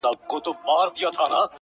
• انتقام ته پاڅېدلی بیرغ غواړم -